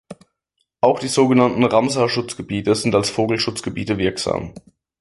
Auch die sogenannten Ramsar-Schutzgebiete sind als Vogelschutzgebiete wirksam.